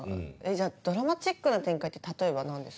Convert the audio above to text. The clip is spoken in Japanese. じゃあドラマチックな展開って例えば何ですか？